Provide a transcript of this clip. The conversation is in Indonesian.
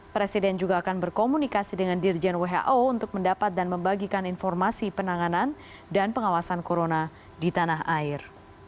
presiden juga akan berkomunikasi dengan dirjen who untuk mendapat dan membagikan informasi penanganan dan pengawasan corona di tanah air